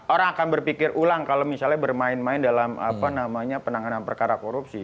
orang akan berpikir ulang kalau misalnya bermain main dalam penanganan perkara korupsi